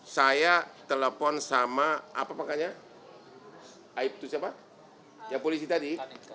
saya telepon sama apa pakannya yang polisi tadi